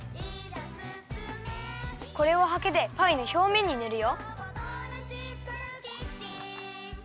これをハケでパイのひょうめんにぬるよ。